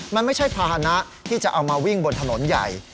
มันไม่ใช่ภาษณะที่จะเอามาวิ่งบนถนนใหญ่